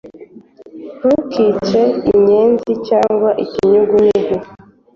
Ntukice inyenzi cyangwa ikinyugunyugu,